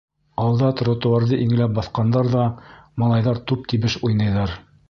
Алда тротуарҙы иңләп баҫҡандар ҙа малайҙар «туп тибеш» уйнайҙар.